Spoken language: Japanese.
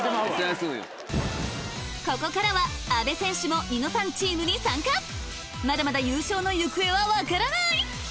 ここからは阿部選手も『ニノさん』チームに参加まだまだ優勝の行方は分からない！